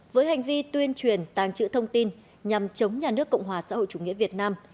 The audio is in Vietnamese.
với hành vi tuyên truyền tàng trữ thông tin nhằm chống nhà nước cộng hòa xã hội chủ nghĩa việt nam